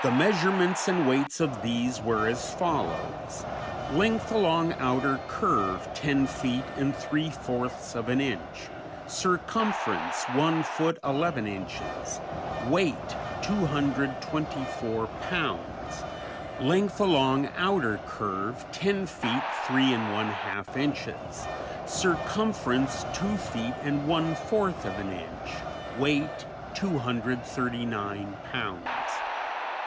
The measurements and weights of these were as follows: length along outer curve, ten feet and three fourths of an inch, circumference one foot, eleven inches, weight, 224 pounds; length along outer curve, ten feet, three and one half inches, circumference two feet and one fourth of an inch, weight, 239 pounds.